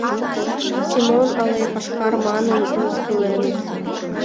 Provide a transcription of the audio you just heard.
«Семон» але «Пашкар» манын мыскыленыт.